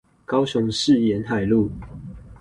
高雄市沿海路